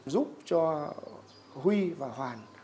giúp cho huy và hoàn